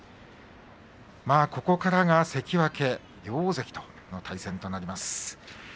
ここからが関脇両大関との対戦となります。